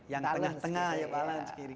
yang tengah tengah ya